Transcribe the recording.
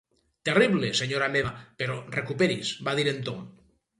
"Terrible, senyora meva; però recuperi's" va dir en Tom.